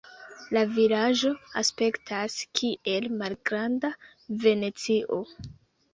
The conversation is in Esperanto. La vilaĝo aspektas kiel malgranda Venecio.